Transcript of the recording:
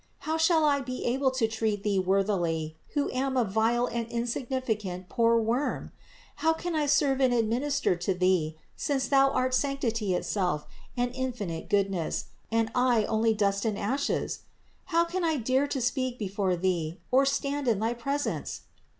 How shall I be able to treat Thee worthily, who am a vile and insignificant, poor worm ? How can I serve and administer to Thee, since Thou art sanctity itself and infinite goodness, and I only dust and ashes? How can I dare to speak before Thee, or stand in Thy presence?